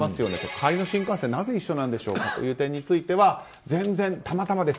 帰りの新幹線なぜ一緒なんでしょうかという質問に対しては全然たまたまです。